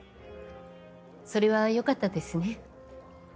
それはよかったですね。